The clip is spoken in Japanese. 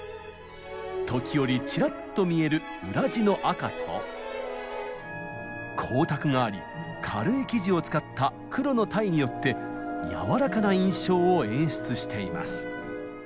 時折チラッと見える裏地の赤と光沢があり軽い生地を使った黒のタイによって柔らかな印象を演出しています。